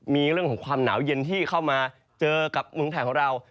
มีเรื่องของความหนาวเย็นที่เข้ามาเจอกับเมืองไทยของเรา